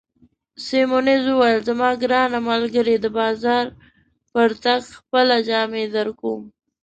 سیمونز وویل: زما ګرانه ملګرې، د بازار پر تګ خپله جامې درکوم.